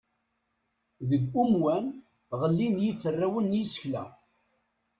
Deg umwan, ɣellin yiferrawen n yisekla.